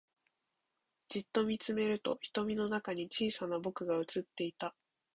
じっと見つめると瞳の中に小さな僕が映っていた